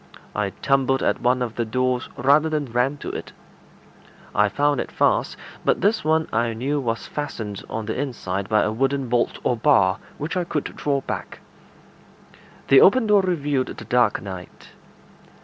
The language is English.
I tumbled at one of the doors rather than ran to it. I found it fast, but this one I knew was fastened on the inside by a wooden bolt or bar, which I could draw back. The open door revealed the dark night.